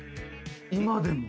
今でも？